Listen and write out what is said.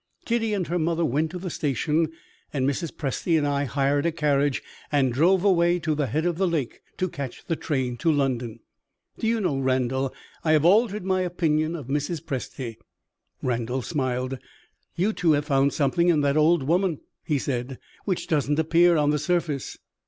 Kitty and her mother went to the station, and Mrs. Presty and I hired a carriage, and drove away to the head of the lake, to catch the train to London. Do you know, Randal, I have altered my opinion of Mrs. Presty?" Randal smiled. "You too have found something in that old woman," he said, "which doesn't appear on the surface."